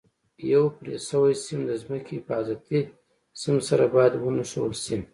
یو پرې شوی سیم د ځمکې حفاظتي سیم سره باید ونښلول شي.